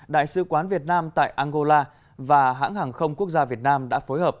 đại sứ quán việt nam tại angola và hãng hàng không quốc gia việt nam đã phối hợp